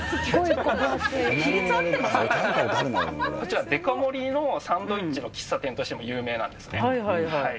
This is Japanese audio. こちら、デカ盛りのサンドイッチの喫茶店としても有名なんですね。